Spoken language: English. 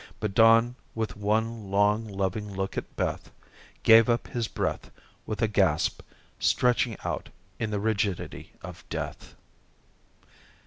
But Don, with one long, loving look at Beth, gave up his breath with a gasp, stretching out in the rigidity of death.